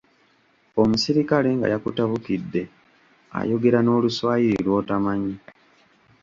Omuserikale nga yakutabukidde ayogera n'Oluswayiri lw'otamanyi.